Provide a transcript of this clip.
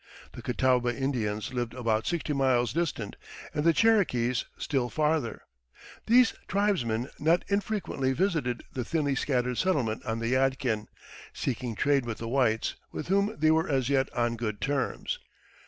The Catawba Indians lived about sixty miles distant, and the Cherokees still farther. These tribesmen not infrequently visited the thinly scattered settlement on the Yadkin, seeking trade with the whites, with whom they were as yet on good terms.